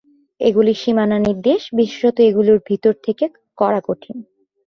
এগুলির সীমানা নির্দেশ, বিশেষত এগুলির ভিতর থেকে, করা কঠিন।